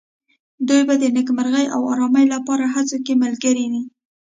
دوی به د نېکمرغۍ او آرامۍ لپاره هڅو کې ملګري وي.